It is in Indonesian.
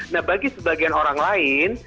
nah bagi sebagian orang lain